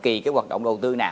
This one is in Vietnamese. kỳ các hoạt động đầu tư nào